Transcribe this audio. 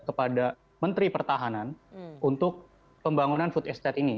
kepada menteri pertahanan untuk pembangunan food estate ini